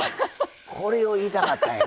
これを言いたかったんやな。